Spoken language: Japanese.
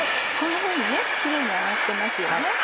こんなふうにキレイに揚がってますよね。